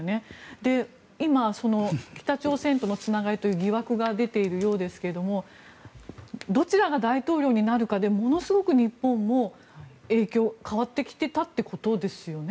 で、今、北朝鮮とのつながりという疑惑が出ているようですがどちらが大統領になるかでものすごく日本も影響、変わってきてたってことですよね。